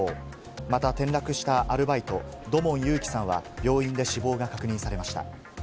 また転落したアルバイト・土門祐生さんは病院で死亡が確認されました。